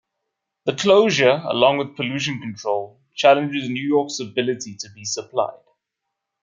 The closure, along with pollution control, challenges New York's ability to be supplied.